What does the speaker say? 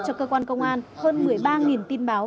cho cơ quan công an hơn một mươi ba tin báo